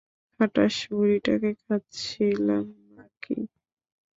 খাটাস বুড়িটাকে খাচ্ছিলাম না-কি!